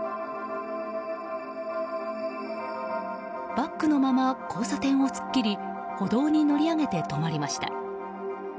バックのまま交差点を突っ切り歩道に乗り上げて止まりました。